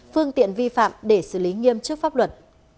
phương tiện vi phạm để xử lý nghiêm trước pháp luật